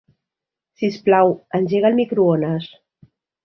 Sisplau, engega el microones.